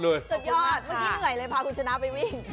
สุดยอดเมื่อกี้เหนื่อยเลยพาคุณชนะไปวิ่ง